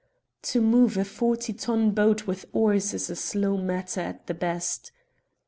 To move a forty ton boat with oars is a slow matter at the best.